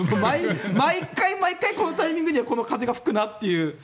毎回、毎回、このタイミングでこの風が吹くなという。